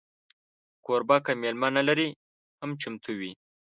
کوربه که میلمه نه لري، هم چمتو وي.